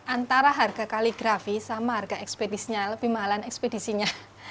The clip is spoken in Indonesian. antara harga kaligrafi sama harga ekspedisinya lebih mahalan ekspedisinya